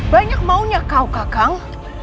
banyak maunya kau kakang